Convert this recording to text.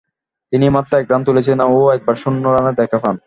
তিনি মাত্র এক রান তুলেছিলেন ও একবার শূন্য রানের দেখা পান।